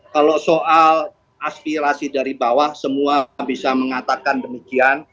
kalau soal aspirasi dari bawah semua bisa mengatakan demikian